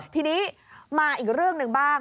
ทีนี้มาอีกเรื่องหนึ่งบ้าง